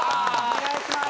お願いします。